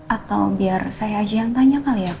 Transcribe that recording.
atau biar saya aja yang tanya kali ya